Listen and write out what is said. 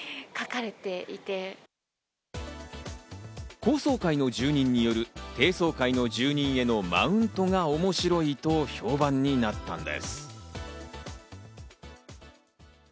高層階の住人による低層階の住人へのマウントが面白いと評判になったんです。